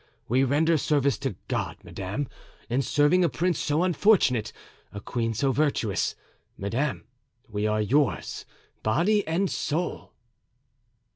We render service to God, madame, in serving a prince so unfortunate, a queen so virtuous. Madame, we are yours, body and soul."